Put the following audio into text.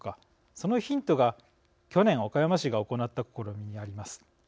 そのヒントが、去年岡山市が行った試みにあります。